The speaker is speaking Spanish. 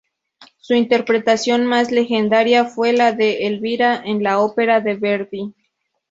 Su interpretación más legendaria fue la de Elvira, en la ópera de Verdi.